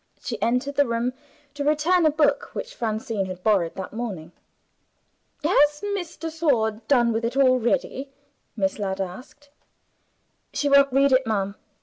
She entered the room to return a book which Francine had borrowed that morning. "Has Miss de Sor done with it already?" Miss Ladd asked. "She won't read it, ma'am.